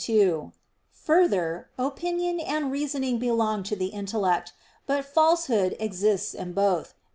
2: Further, opinion and reasoning belong to the intellect. But falsehood exists in both.